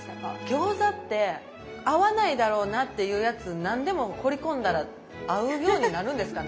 餃子って合わないだろうなっていうやつ何でも放り込んだら合うようになるんですかね？